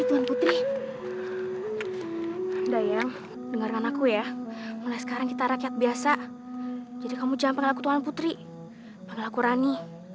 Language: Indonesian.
untuk segera menikah denganmu pada bulan pertama nanti